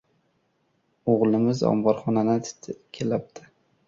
O‘g‘limiz omborxonani titkilabdi.